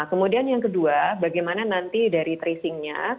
kemudian yang kedua bagaimana nanti dari tracing nya